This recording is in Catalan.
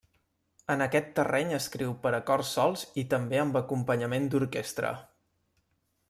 En aquest terreny escriu per a cors sols i també amb acompanyament d'orquestra.